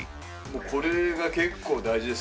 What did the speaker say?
これが結構大事ですからね。